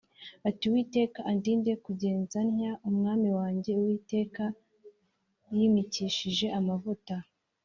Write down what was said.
ati “Uwiteka andinde kugenza ntya umwami wanjye Uwiteka yimikishije amavuta”